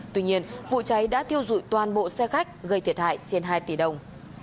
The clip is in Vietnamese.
tuy nhiên vụ cháy đã thiêu dụi toàn bộ xe khách gây thiệt hại trên hai tỷ đồng